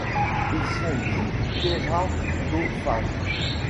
Ils sont dits kératophages.